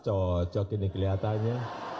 cocok ini kelihatannya